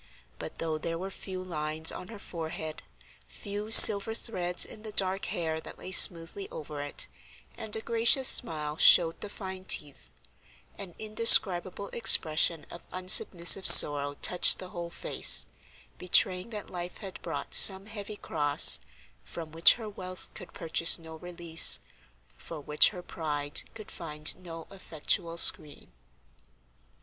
But though there were few lines on her forehead, few silver threads in the dark hair that lay smoothly over it, and a gracious smile showed the fine teeth, an indescribable expression of unsubmissive sorrow touched the whole face, betraying that life had brought some heavy cross, from which her wealth could purchase no release, for which her pride could find no effectual screen.